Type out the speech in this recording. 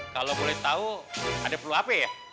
kalau boleh tahu ada perlu apa ya